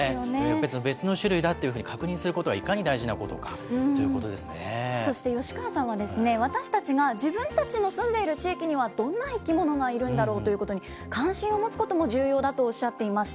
別の種類だっていうふうに確認することがいかに大事なことかそして吉川さんはですね、私たちが自分たちの住んでいる地域には、どんな生き物がいるんだろうということに関心を持つことも重要だとおっしゃっていました。